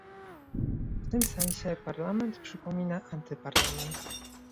W tym sensie Parlament przypomina antyparlament